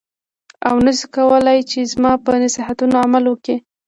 او نه شې کولای چې زما په نصیحتونو عمل وکړې.